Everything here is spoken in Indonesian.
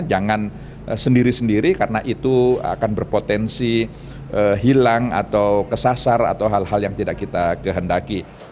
jangan sendiri sendiri karena itu akan berpotensi hilang atau kesasar atau hal hal yang tidak kita kehendaki